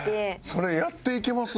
それやっていけます？